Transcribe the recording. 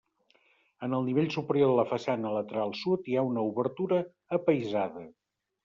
En el nivell superior de la façana lateral sud hi ha una obertura apaïsada.